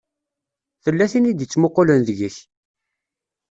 Tella tin i d-ittmuqqulen deg-k.